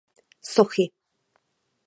Sochy.